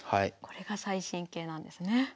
これが最新形なんですね。